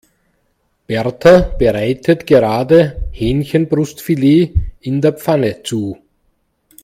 Berta bereitet gerade Hähnchenbrustfilet in der Pfanne zu.